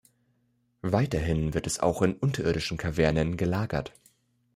Weiterhin wird es auch in unterirdischen Kavernen gelagert.